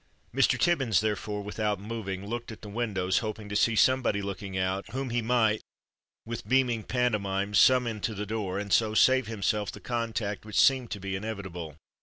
Mr. Tibbins, therefore, without moving, looked at the windows, hoping to see somebody looking out whom he might with beaming pantomime summon to the door, and so save himself the contact which seemed to be inevitable.